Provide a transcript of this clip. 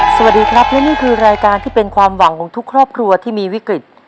สวัสดีครับและนี่คือรายการที่เป็นความหวังของทุกครอบครัวที่มีวิกฤต